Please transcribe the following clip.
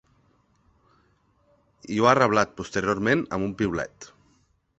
I ho ha reblat posteriorment amb un piulet.